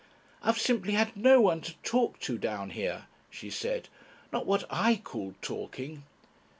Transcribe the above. "I've simply had no one to talk to down here," she said. "Not what I call talking."